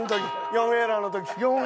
４エラーの。